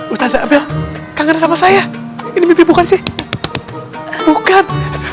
ustaz abel kangen sama saya ini bukan sih bukan